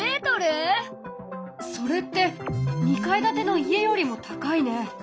それって２階建ての家よりも高いね。